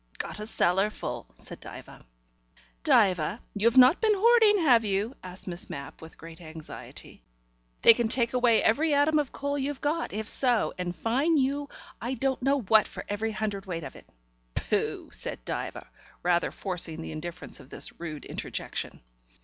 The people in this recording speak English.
"Got a cellar full," said Diva. "Diva, you've not been hoarding, have you?" asked Miss Mapp with great anxiety. "They can take away every atom of coal you've got, if so, and fine you I don't know what for every hundredweight of it." "Pooh!" said Diva, rather forcing the indifference of this rude interjection.